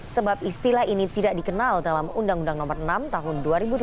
sebab istilah ini tidak dikenal dalam undang undang nomor enam tahun dua ribu delapan belas